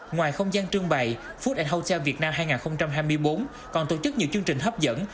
ngoài không gian trương bày food hotel việt nam hai nghìn hai mươi bốn còn tổ chức nhiều chương trình hấp dẫn